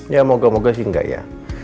ya moga moga sih enggak ya